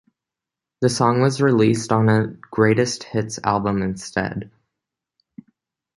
The song was released on a greatest hits album instead.